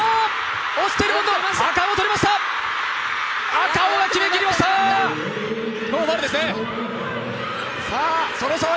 赤穂が決めきりました、ノーファウルですね。